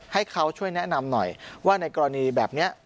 ให้เขาช่วยแนะนำหน่อยว่าในกรณีแบบนี้